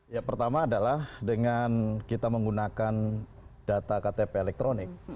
ya pertama adalah dengan kita menggunakan data ktp elektronik